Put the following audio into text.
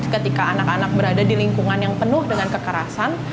ketika anak anak berada di lingkungan yang penuh dengan kekerasan